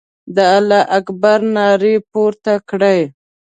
د الله اکبر نارې پورته کړې.